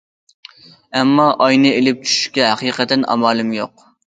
ئەمما ئاينى ئېلىپ چۈشۈشكە ھەقىقەتەن ئامالىم يوق.